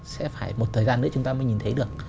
sẽ phải một thời gian nữa chúng ta mới nhìn thấy được